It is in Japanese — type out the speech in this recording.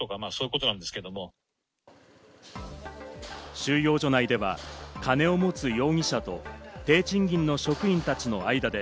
収容所内では金を持つ容疑者と、低賃金の職員たちの間で、